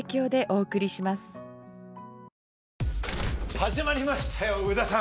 始まりましたよ上田さん！